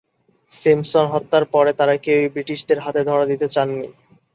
সিম্পসন-হত্যার পরে তাঁরা কেউই ব্রিটিশদের হাতে ধরা দিতে চাননি।